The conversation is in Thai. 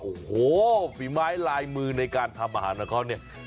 โอ้โหฝีไม้ลายมือในการทำอาหารของเขาเนี่ย